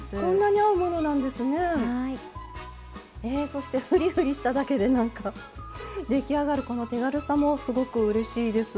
そしてふりふりしただけで何か出来上がるこの手軽さもすごくうれしいです。